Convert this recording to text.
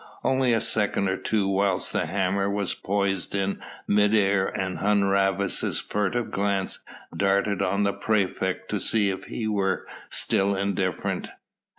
Only a second or two whilst the hammer was poised in mid air and Hun Rhavas' furtive glance darted on the praefect to see if he were still indifferent!